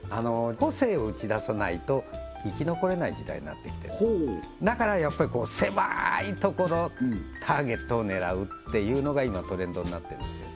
個性を打ち出さないと生き残れない時代になってきてるほおだからやっぱりせまいところターゲットを狙うっていうのが今トレンドになってるんですよ